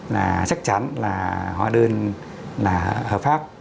là chắc chắn là hóa đơn là hợp pháp